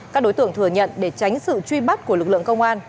các đối tượng thừa nhận để tránh sự truy bắt của lực lượng công an